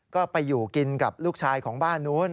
ก็ไปอยู่กินกับลูกชายของบ้านนู้น